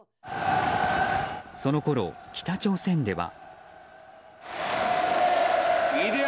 そのころ、北朝鮮では。